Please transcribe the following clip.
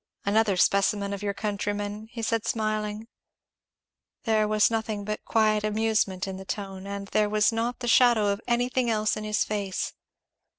"Another specimen of your countrymen," he said smiling. There was nothing but quiet amusement in the tone, and there was not the shadow of anything else in his face.